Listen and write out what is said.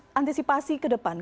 bagaimana antisipasi ke depan